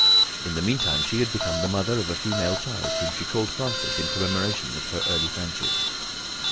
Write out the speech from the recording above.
In the mean time she had become the mother of a female child, whom she called Frances in commemoration of her early friendship.